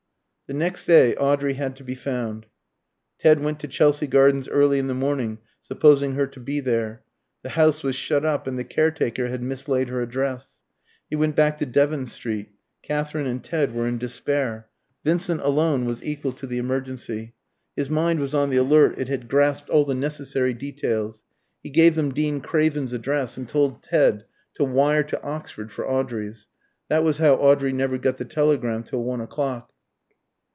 The next day Audrey had to be found. Ted went to Chelsea Gardens early in the morning, supposing her to be there. The house was shut up, and the caretaker had mislaid her address. He went back to Devon Street. Katherine and Ted were in despair; Vincent alone was equal to the emergency. His mind was on the alert it had grasped all the necessary details. He gave them Dean Craven's address, and told Ted to wire to Oxford for Audrey's. That was how Audrey never got the telegram till one o'clock.